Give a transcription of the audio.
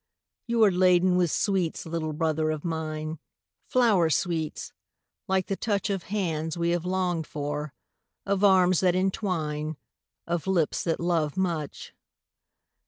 You are laden with sweets, little brother of mine, Flower sweets, like the touch Of hands we have longed for, of arms that entwine, Of lips that love much.